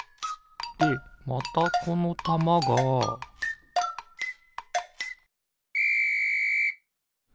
でまたこのたまがピッ！